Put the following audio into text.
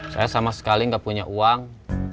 saya sama sekali nggak punya uang